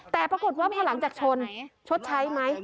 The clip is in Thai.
แต่ปรากฏว่าพอหลังจากชนชดใช้ไหม